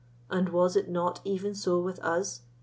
"And was it not even so with us?"